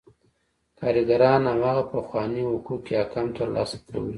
کارګران هماغه پخواني حقوق یا کم ترلاسه کوي